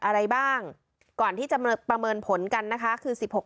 อะไรบ้างก่อนที่จะประเมินผลกันนะคะคือ๑๖